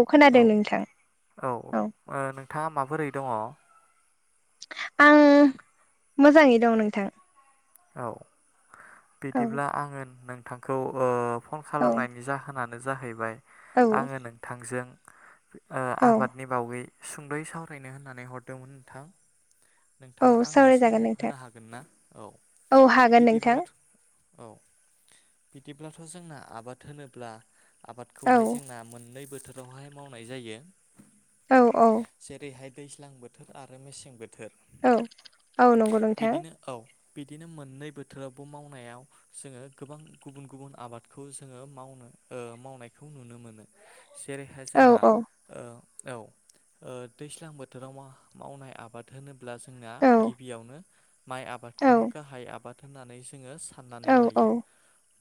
औ खोनादों नोंथां औ औ नोंथाङा माबोरै दंङ? आं मोजाङै दं नोंथां। औ औ बिदिब्ला आङो नोंथांखौ ओ- फन औ खालामनायनि जाहोनानो नो जाहैबाय औ आंङो नोंथांजों। औ आबादनि बावै सुंद'यै सावरायनो होननानै हरदोंमोन नोंथां औ नोंथांङा आंनो सम सावरायजागोन नोंथां होनो हागोन ना औ औ हागोन नोंथां बिदिब्लाथ। औ बिदिब्लाथ जोंना आबाद होनोब्ला औ आबादखौहाय जोंना मोननै बोथोरावहाय मावनाय जायो औ औ जेरैहाय दैज्लां बोथोर आरो मेसें बोथोर औ औ नंगौ नोंथां। बिदिनो औ बिदिनो मोननै बोथोरावबो मावनायाव जोङो गोबां गुबुन गुबुन आबादखौ जोङो मावनो। मावनायखौ नुनो मोनो जेरैहाय औ जोंहा औ औ दैज्लां बोथोराव मावनाय आबाद होनोब्ला जोंना औ गिबियावनो माइ औ आबादखौनो गाहाय आबाद होननानै जों जोंङो साननानै औ औ लायो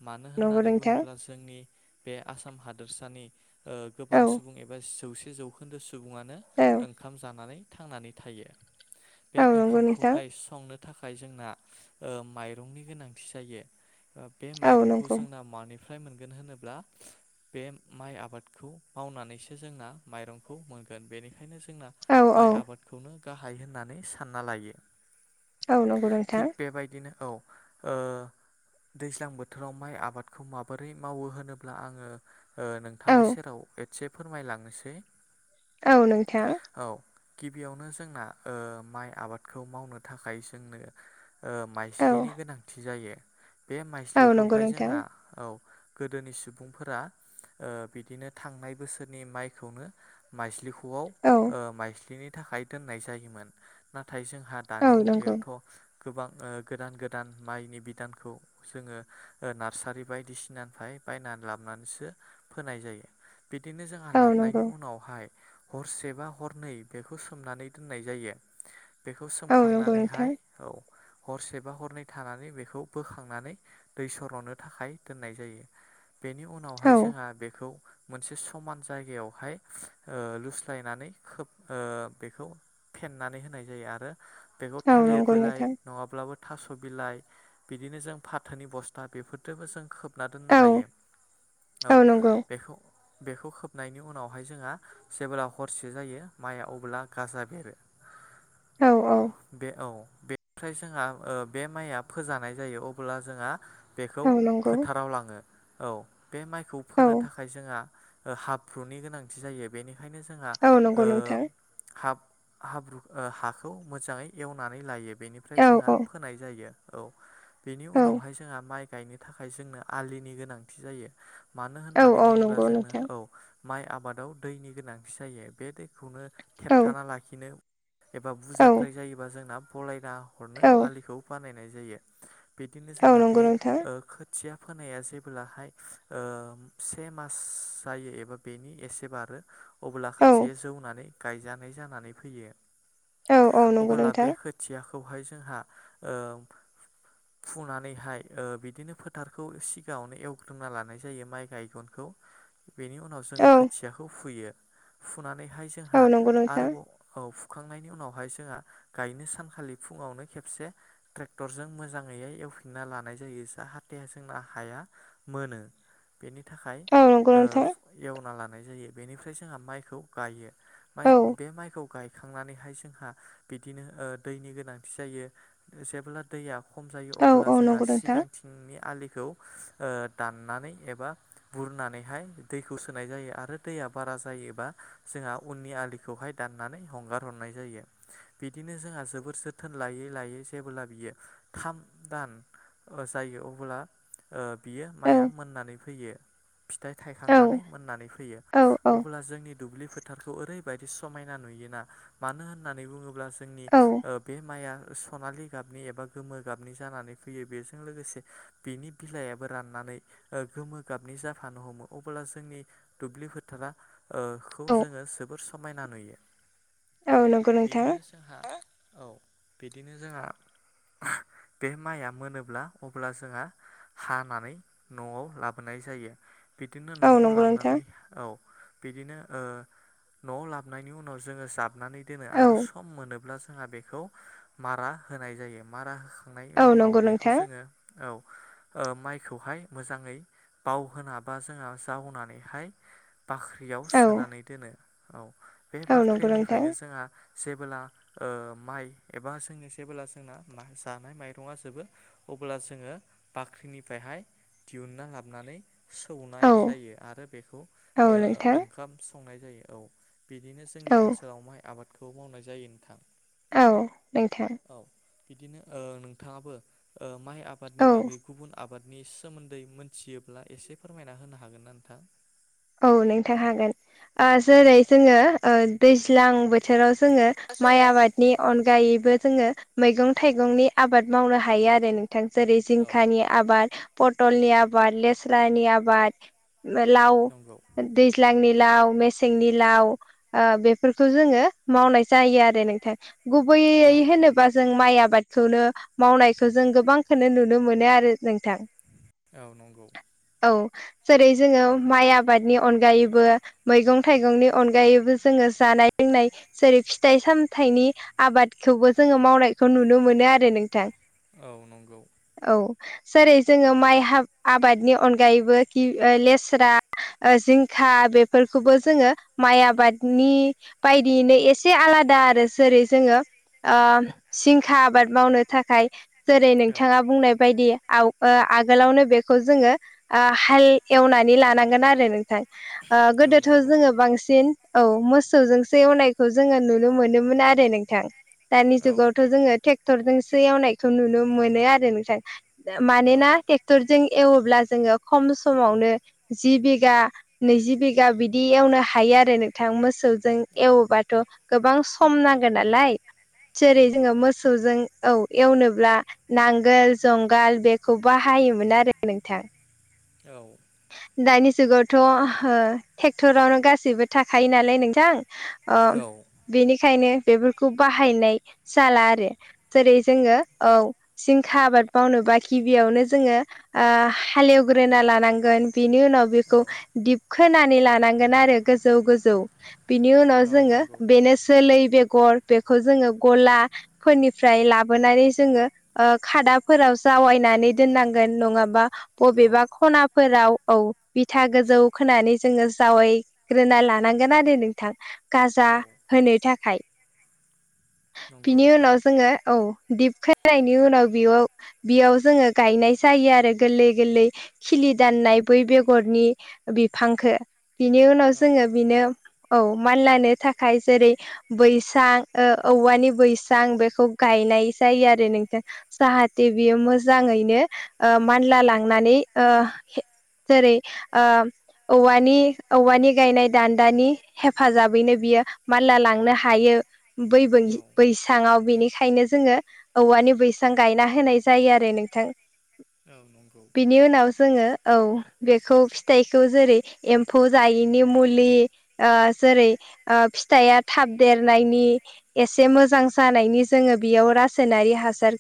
मानो नंगौ होननानै नोंथां बुङोब्ला जोंनि बे आसाम हादोरसानि ओ औ गोबां सुबुं एबा जौसे जौखोन्दो सुबुं सुबुङनो औ ओंखाम जानानै थांनानै थायो बे औ नंगौ नोंथां ओंखामखौहाय संनो थाखाय जोंना ओ माइरंनि गोनांथि जायो ओ बे औ माइरंखौ नंगौ जोंना मानि फ्राय मोनगोन होनोब्ला बे माइ आबादखौ मावनानैसो जोंना माइरंखौ मोन मोनगोन बेनिखायनो जोंना औ औ माइ आबादखौनो गाहाय होननानै सानना लायो। औ नंगौ नोंथां थिग बेबायदिनो औ ओ दैज्लां बोथोराव माइ आबादखौ माबोरै मावो होनोब्ला आङो ओ औ नोंथांनि सेराव एसे फोरमायलांनोसै औ नोंथाङां। औ गिबियावनो जोंना ओ माइ आबादखौ मावनो थाखाय जोंनो ओ औ माइस्लिनि गोनांथि जायो। बे औ नंगौ माइस्लिखौहाय नोंथां जोंहा औ। गोदोनि सुबुंफोरा ओ बिदिनो थांनाय बोसोरनि माइखौनो माइस्लिखौ नआव औ ओ माइज्लिनि थाखाय दोननाय जायोमोन नाथाय नाथाय जोंहा दानि औ नंगौ मुगायावथ' गोबां ओ गोदान गोदान माइनि बिदानखौ जोङो ओ नार्सारि बायदिसिनानिफ्राय बायनानै लाबोनानैसो फोनाय जायो। बिदिनो जोंहा औ लाबनि नंगौ उनावहाय हरसेबा हरनै बेखौ सोमनानै दो फोनाय जायो बेखौ औ नंगौ नोंथां सोमखांनानैहाय औ। हरसेबा हरनै थानानै बेखौ बोखांनानै दै सर'नो थाखाय दोननाय जायो। बेनि उनावहाय औ जोंहा बेखौ मोनसे समान जायगायावहाय ओ लुस्लायनानै खोब ओ बेखौ फेनानै होनाय जायो आरो बेखौ औ थालिर नंगौ बिलाय नोंथां नङाब्लाबो थास' बिलाइ बिदिनो जों फाथोनि बस्था बेफोरजोंबो जों खोब हमना दोननो औ हायो औ औ नंगौ बेखौ बेखौ खोबनायनि उनावहाय जोंहा जेब्ला हरसे जायो माइआ अब्ला गाजा आरो औ औ बे औ। बेनिफ्राय जोंहा ओ बे माइया फोजानाय जायो अब्ला जोंहा बेखौ औ नंगौ फोथाराव लाङो औ बे माइखौ औ फोनो थाखाय जोंहा हाबफ्र्रुनि गोनांथि जायो बेनिखायनो जोंहा औ नंगौ ओ नोंथां हाब हाब्रु ओ हाखौ मोजाङै एवनानै लायो बेनिफ्राय औ जोंहा औ फोनाय जायो। औ बेनि औ उनावहाय जोंहा माइ गायनो थाखाय जोंनो आलिनि गोनांथि जायो। मानो औ होननानै औ बुङोब्ला नंगौ जोंनो नोंथां औ माइ आबादाव दैनि गोनांथि जायो बे दैखौनो औ थेबथाना लाखिनो एबा औ बुरजाद्राय जायोबा जोंना फलाय नायहरनो औ आखौ बानायनाय जायो बिदिनो औ जोंना नंगौ बे नोंथां ओ खोथिया फोनाया जेब्लाहाय ओ से मास जायो एबा बेनि एसेबारो अब्ला औ खोथिया जौनानै गायजानाय जानानै फैयो। औ औ नंगौ अबोब्ला नोंथां बे खोथियाखौहाय जोंहा ओ फुनानैहाय ओ बिदिनो फोथारखौ सिगाङावनो एवग्रोमना लानाय जायो माइ गायगनखौ बेनि उनाव जोङो औ खोथियाखौ फुयो। फुनानैहाय जोंहा औ नंगौ नोंथां आरोबाव औ फुखांनायनि उनावहाय जोंहा गायनो सानखालि फुङावनो खेबसे ट्रेक्टरजों मोजाङै एवफिनना लानाय जायो जा हाथे जोंना हाया मोनो बेनि थाखाय औ नंगौ ओ नोंथां एवना लानाय जायो बेनिफ्राय जोंहा माइखौ गायो औ बे माइखौ गायखांनानैहाय जोंहा बिदिनो ओ दैनि गोनांथि जायो जेब्ला दैया खम जायो औ अब्ला औ जोंहा नंगौ नोंथां सिगांथिंनि आलिखौ ओ दाननानै एबा बुरनानैहाय दैखौ सोनाय जायो आरो दैया बारा जायोबा जोंहा उननि आलिखौहाय दाननानै हंगार हरनाय जायो बिदिनो जोंहा जोबोर जोथोन लायै लायै जेबोला बियो थाम दान जायो अब्ला ओ बियो औ माइआ मोननानै फैयो फिथाइ औ थायखांनानै मोननानै फैयो औ अब्ला जोंनि दुब्लि फोथारखौ ओरैबायदि समायना नुयोना मानो होन्नानै बुङोब्ला जोंनि औ ओ बे माइआ सनालि गाबनि एबा गोमो गाबनि जानानै फैयो बेजों लोगोसे बिनि बिलाइयाबो राननानै ओ गोमो गाबनि जाफानो हमो अब्ला जोंनि दुब्लि फोथारा ओ खौ जोङो जोबोर समायना नुयो औ बेनिनो जोंहा [unintelligible] औ बिदिनो जोंहा [unintelligible] बे माइआ मोनोब्ला अब्ला जोंहा हानानै न'आव लाबोनाय जायो बिदिनो औ नंगौ नोंथां औ न'आव नंगौ नोंथां लाबनानै औ बिदिनो ओ न'आव लाबनायनि उनाव जोङो जाबनानै दोनो औ आरो सम मोनोब्ला जों जोंहा बेखौ मारा होनाय जायो मारा खांनायनि औ उनाव नंगौ बेखौ नोंथां जोङो औ ओ माय खौहाय मोजाङै बावहोना बा जावनानैहाय बाख्रियाव औ सोनानै दोनो औ बे औ नोंथां बाख्रिनिफ्रायनो जोंहा जेबोला ओ माइ एबा जोंनि जेबोला जोंना मा जानाय माइरङा जोबो अब्ला जोङो बाख्रिनिफ्रायहाय दिहुनना हाबनानै सौनाय जायो आरो बेखौ ओ ओंखाम संनाय जायो औ बिदिनो जोंनि औ ओनसो आबादखौ मावनाय जायो नोंथां औ नोंथां औ बिदिनो ओ नोंथाङाबो माइ ओ आबादनि औ बागै गुबुन आबाद नि सोमोन्दै मोनथियोब्ला एसे फोरमायना होनो हागोन ना नोंथां औ नोंथां हागोन ओ औ जेरै जोङो ओ दैज्लां बोथोराव जोङो माइ जोङो आबादनि अनगायैबो जोङो मैगं थाइगंनि आबाद मावनो हायो आरो नोंथां जेरै औ जिंखानि आबाद पटलनि आबाद लेस्रानि आबाद लाव नंगौ दैज्लांनि लाव मेसेंनि लाव ओ बेफोरखौ जोङो मावनाय जायो आरो। नोंथां गुबैयै औ होनोबा जों माइ आबाद खौनो मावनायखौ जों गोबांखोनो नुनो मोनो आरो नोंथां औ नंगौ औ जेरै जोङो माइ आ बादनि अनगायैबो मैगं थाइगंनि अनगायैबो जोङो जानाय लोंनाय जेरै फिथाइ सामथायनि आबादखौबो जोङो मावनायखौ नुनो मोनो आरो नोंथां औ नंगौ औ जेरै जोङो माइ हा आबादनि अनगायैबो कि ओ लेस्रा ओ जिंखा बेफोरखौबो जोङो माइ आबादनि बायदियैनो एसे आ आलादा आरो जोरै जोङो ओ जिंखा आबाद मावनो थाखाय जेरै औ नोंथाङा बुंनाय बायदि आव ओ आगोलावनो बेखौ जोङो ओ हाल एवनानै लानांगोन आरो नोंथां ओ औ गोदोथ' नंगौ जोङो बांसिन औ मोसौजोंसो एवनायखौ जोङो नुनो मोनोमोन आरो नोंथां दानि औ जुगावथ' जोङो थेक्टरजोंसो एवनायखौ नुनो मोनो आरो नोंथां। औ मानोना टेक्टरजों एवोब्ला जोङो खम समावनो जि बिगा नैजि बिगा बिदि एवनो हायो आरो नोंथां मोसौ जों औ एवोबाथ' गोबां सम नांगो नालाय जेरै नंगौ जोङो मोसौजों औ एवनोब्ला नांगोल जंगाल बेखौ बाहायोमोन आरो नोंथां औ दानि जुगावथ' ओ ट्रेक्टरावनो गासैबो थाखायो नालाय नोंथां। ओ औ बेनिखायनो बेफोरखौ बाहायनाय जाला आरो जेरै जोङो औ जिंखा आबाद मावनो। बा गिबियावनो जोङो हालेवग्रोना लानांगोन। बेनि उनाव बेखौ औ दैबखोनानै लानांगोन आरो गोजौ गोजौ। बिनि उनाव जोङो नंगौ बेेनसोल बे गर बेखौ जोङो गलाफोरनिफ्राय लाबोनानै जोङो ओ खादाफोराव जा दावायनानै दोननांगोन नङाबा औ बबेबा खनाफोराव औ बिथा गोजौ खोनानै जोङो जावायग्रोना लानांगोन आरो नोंथां। गाजा औ होनो थाखाय नंगौ बिनि नोंथां उनाव जोङो औ। दिप खोनायनि उनाव बियाव बियाव जोङो गायनाय जायो आरो गोरलै गोरलै खिलि दाननाय बै बेगरनि बिफांखौ बिनि उनाव औ जोङो बेनो औ मानलानो थाखाय जेरै बैसां औवानि बैसां बेखौ गाय। जायो आरो नोंथां जाहाथे बियो मोजाङैनो ओ मानला लांनानै ओ जेरै ओ औवानि गायनाय दान्दानि हेफाजाबैनो बियो मानला लांनो हायो बै औ बैसाङाव औ बेनिखायनो जोङो औवानि बैसां गायना होनाय जायो आरो नोंथां औ नंगौ बेनि उनाव जोङो औ। बेखौ फिथाइखौ जेरै एमफौ जायिनि मुलि उह जेरै उह फिथाइआ थाब देरनायनि एसे मोजां जानायनि जोङो बियाव रासायनारि हासार।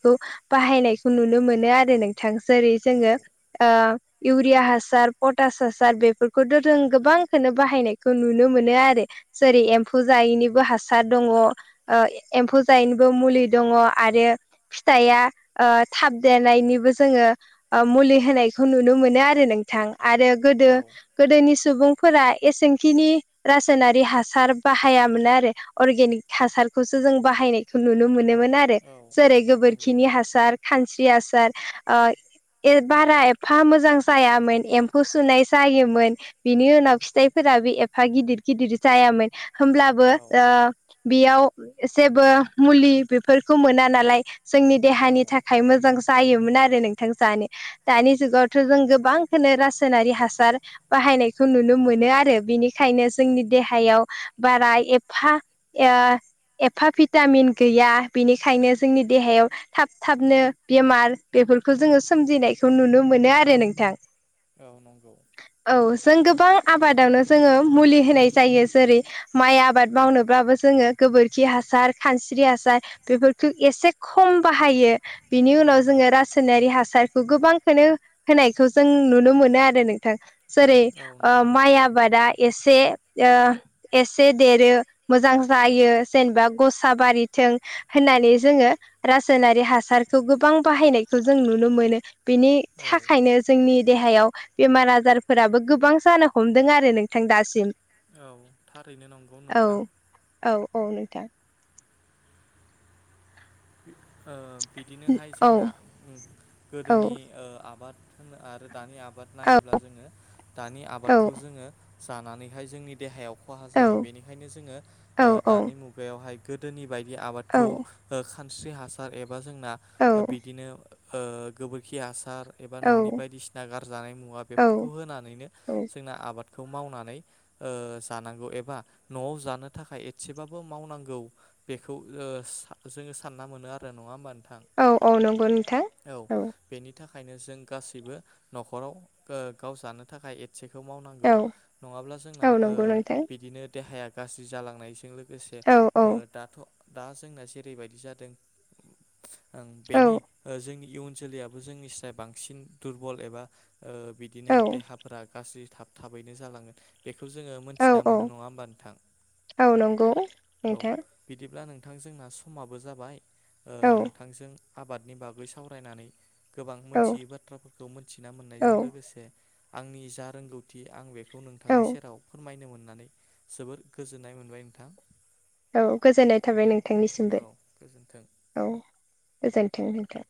बाहायनायखौ नुनो मोनो आरो नोंथां जेरै औ जोङो ओ इउरिया हासार [unintelligible] बेफोरखौथ' जों गोबां बाहायनायखौ नुनो मोनो आरो जेरै एमफौ। एमफौ जायिनिबो हासार दङ उह एमफौ जायिनिबो मुलि दङ आरो [unintelligible] फिथाइआ थाबदेरनायनिबो जोङो मुलि होनायखौ नुनो मोनो आरो बिथां आरो गोदो औ गोदोनि सुबुंफोरा एसें खिनि रासायनारि हासार बाहायामोन आरो अरगेनिक हासार बेखौसो जों बाहायनायखौ नुनो मोनो मोन आरो औ जेरै नंगौ गोबोरखिनि हासार खानस्रि हासार [unintelligible] ओ बारा एफा मोजां जायामोन एमफौ सुनाय जायोमोन बिनि उनाव फिथाइफोराबो एफा गिदिर गिदिर जायामोन। होमब्लाबो औ ओ बेयाव जेबो मुलि बेफोरखौ मोना नालाय जोंनि देहानि थाखाय मोजां जायोमोन आरो नोंथां जानो दानि जुगावथ' जों गोबां [unintelligible] रासायनारि हासार बाहायनायखौ नुनो मोनो आरो बेनिखायनो जोंनि देहायाव बारा एफा उह एफा भिटामिन गैया बेनिखायनो जोंनि देहाया बेयाव थाब थाबनो बेमार बेफोरखौ जोङो सोमजिनायखौ नुनो मोनो आरो नोंथां। औ नंगौ। औ जों गोबां आबादावनो जोङो मुलि होनाय जायो जेरै माइ आबाद मावनोब्लाबो जोङो गोबोरखि हासार खानस्रि हासार बेफोरखौ एसे खम बाहायो। बिनि उनाव औ जोङो रासायनारि हासारखौ गोबांखौनो होनायखौ जों नुनो मोनो आरो नोंथां जेरै औ ओ नंगौ माइ आबादा एसे एसे उह एसे देरो मोजां जायो जेनेबा गसाबारिथों। होननानै जोङो रासायनारि हासारखौ गोबां बाहायनायखौ जों नुनो मोनो। बेनि औ थाखायनो जोंनि देहायाव बेमार आजारफोराबो गोबां जानो हमदों आरो नोंथां दासिम औ थारैनो नंगौ औ नोंथां। औ औ नोंथां। ओ बिदिनोहाय औ जोंना औ गोदोनि आबाद आरो दानि आबाद औ नायोब्ला जोङो दानि आबादखौ जोङो जानानैहाय जोंनि देहायाव खहा औ जायो बेनिखायनो जोङो औ दानि ओ मुगायावहाय गोदोनि बायदि आबादखौ खानस्रि हासार एबा जोंना बिदिनो ओ गोबोरखि हासार हासार एबा न'नि बायदिसिना गारजानाय मुवा औ बेफोरखौ होनानैनो औ जोंना आबाद खौ मावनानै ओ जानांगौ एबा न'आव जानो थाखाय एसेबाबो मावनांगौ। बेखौ ओ जोङो सानना मोनो आरो नङा होमबा नों औ औ नंगौ नोंथां औ। बिनि थाखायनो जों गासैबो न'खराव ओ गाव जानो थाखाय खाथिखौ मावनांगौ औ नङाब्ला जोंना औ ओ नंगौ नोंथां बिदिनो देहाया गाज्रि जालांनायजों लोगोसे औ ओ औ दाथ' दा जोंना जेरैबायदि जादों औ बेनि ओ जोंनि इयुन जोलैयाबो जोंनि स्राय बांसिन दुरबल एबा ओह बिदिनो औ देहाफोरा गाज्रि थाब थाबैनो जाालांगोन बेखौ जोङो औ मोनथिना औ मोनो नङा होमबा नोंथां औ नंगौ औ नोंथां बिदिब्ला नों नोंथां जोंना समाबो जाबाय ओ औ नोंथांजों आबादनि बागै सावरायनानै गोबां औ मोनथियै बाथ्राफोरखौ मोनथिना औ मोननायजों लोगोसे आंनि जा रोंगौथि आं बेखौ औ नोंथांनि सेराव फोरमायनो मोननानै जोबोर गोजोननाय मोनबाय नोंथां। औ गोजोननाय थाबाय नोंथांनिसिमबो औ गोजोन्थों। औ गोजोन थों नोंथां